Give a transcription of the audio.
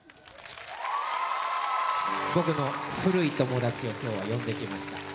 僕の古い友達を今日は呼んできました。